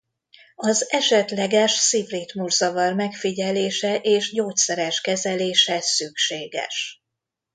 Az esetleges szívritmuszavar megfigyelése és gyógyszeres kezelése szükséges.